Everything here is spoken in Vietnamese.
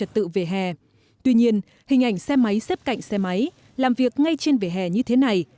tuy nhiên hình ảnh xe máy xếp cạnh xe máy làm việc ngay trên vỉa hè như thế này